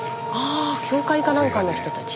あ教会か何かの人たち。